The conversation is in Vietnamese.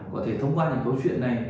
có thể thông qua những câu chuyện này